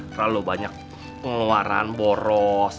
terlalu banyak pengeluaran boros